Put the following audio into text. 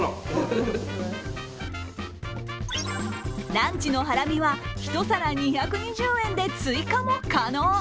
ランチのハラミは一皿２２０円で追加も可能。